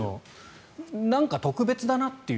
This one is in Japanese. なんか特別だなと。